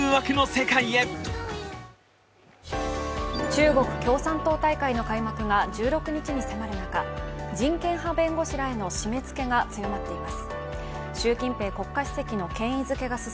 中国共産党大会の開幕が１６日に迫る中、人権派弁護士らへの締め付けが強まっています。